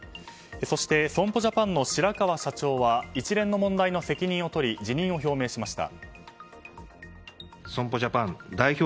そして、損保ジャパンの白川社長は一連の問題の責任を取り辞任を表明しました。